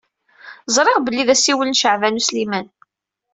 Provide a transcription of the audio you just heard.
Ẓṛiɣ belli d asiwel n Caɛban U Sliman.